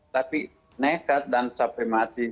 tapi nekat dan sampai mati